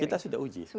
kita sudah uji